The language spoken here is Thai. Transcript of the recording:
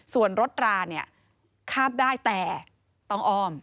ส่วนรถราเนี่ยคาบได้แต่ต้องอ้อม